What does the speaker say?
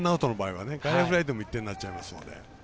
ライトフライでも１点になっちゃいますので。